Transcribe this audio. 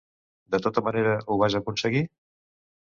De tota manera, ho vas aconseguir?